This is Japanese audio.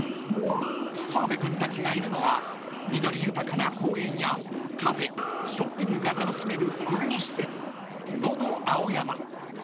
［澤部君たちがいるのは緑豊かな公園やカフェショッピングが楽しめる複合施設ののあおやま］